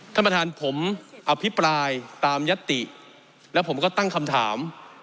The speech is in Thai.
ท่านประธานผมอภิปรายตามยัตติแล้วผมก็ตั้งคำถาม